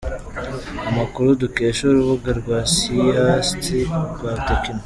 Amakuru dukesha urubuga rwa siyansi rwa techno.